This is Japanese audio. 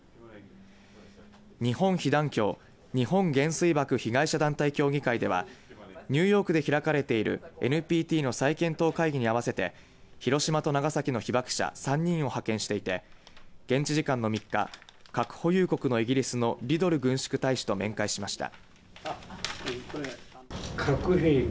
日本被団協日本原水爆被害者団体協議会ではニューヨークで開かれているＮＰＴの再検討会議に合わせて広島と長崎の被爆者３人を派遣していて現地時間の３日核保有国のイギリスのリドル軍縮大使と面会しました。